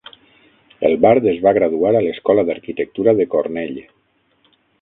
El bard es va graduar a l'Escola d'Arquitectura de Cornell.